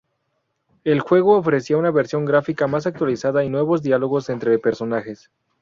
El juego ofrecía una versión gráfica más actualizada y nuevos diálogos entre personajes.